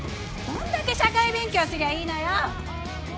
どんだけ社会勉強すりゃいいのよ！